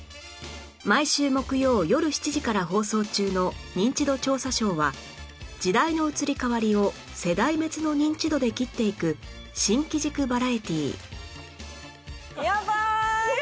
毎週木曜夜７時から放送中の『ニンチド調査ショー』は時代の移り変わりを世代別の認知度で斬っていく新機軸バラエティー